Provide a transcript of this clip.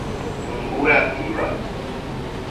Umburatiba